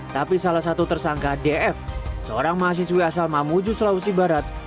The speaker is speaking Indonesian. tapi salah satu tersangka df seorang mahasiswi asal mamuju sulawesi barat